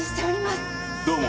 どうも。